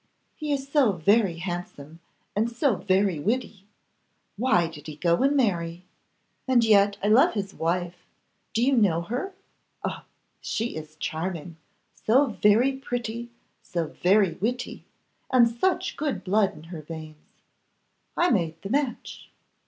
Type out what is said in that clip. he is so very handsome, and so very witty. Why did he go and marry? And yet I love his wife. Do you know her? Oh! she is charming: so very pretty, so very witty, and such good blood in her veins. I made the match.